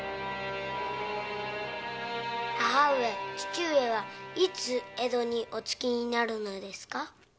母上父上はいつ江戸にお着きになるのですか？